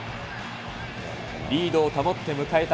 リードを保って迎えた